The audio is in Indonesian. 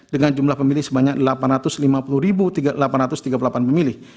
dengan jumlah pemilih sebanyak delapan ratus lima puluh delapan ratus tiga puluh delapan pemilih